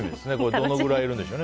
どのくらいいるんでしょうね。